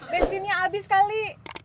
besinnya habis kali